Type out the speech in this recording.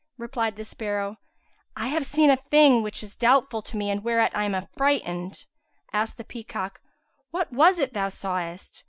replied the sparrow, "I have seen a thing which is doubtful to me and whereat I am affrighted." Asked the peacock, "What was it thou sawest?"